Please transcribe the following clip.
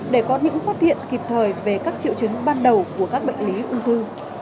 để có những phát hiện kịp thời về các triệu chứng ban đầu của các bệnh lý ung thư